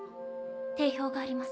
定評があります。